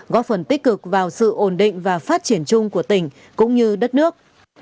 góp phần tích cực vào sự ổn định và phát triển chung của tỉnh cũng như đất nước